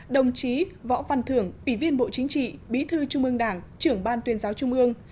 đồng chí võ văn thưởng ủy viên bộ chính trị bí thư trung ương đảng trưởng ban tuyên giáo trung ương